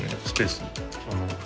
スペース。